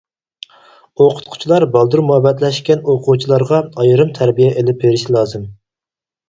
ئوقۇتقۇچىلار بالدۇر مۇھەببەتلەشكەن ئوقۇغۇچىلارغا ئايرىم تەربىيە ئېلىپ بېرىشى لازىم.